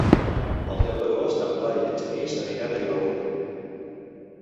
El deu d'agost en Blai i en Genís aniran a Vilaür.